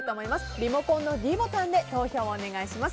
リモコンのｄボタンで投票をお願いします。